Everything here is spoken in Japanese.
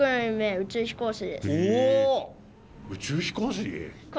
宇宙飛行士。